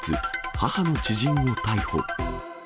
母の知人を逮捕。